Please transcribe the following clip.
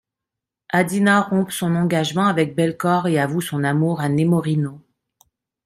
Adina rompt son engagement avec Belcore et avoue son amour à Nemorino.